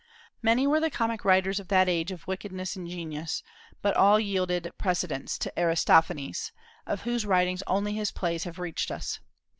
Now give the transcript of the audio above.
Many were the comic writers of that age of wickedness and genius, but all yielded precedence to Aristophanes, of whose writings only his plays have reached us.